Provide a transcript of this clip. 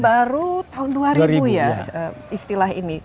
jadi baru tahun dua ribu ya istilah ini